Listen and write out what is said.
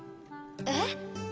えっ？